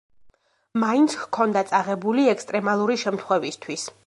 მაინც ჰქონდა წაღებული ექსტრემალური შემთხვევისთვის.